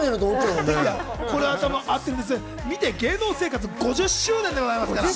芸能生活５０周年でございますから。